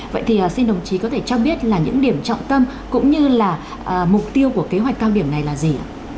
vậy thì xin đồng chí có thể cho biết là những điểm trọng tâm cũng như là mục tiêu của kế hoạch cao điểm này là gì ạ